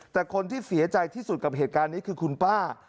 แต่คนที่เสียใจที่สุดกับเหตุการณ์นี้คือคุณป้า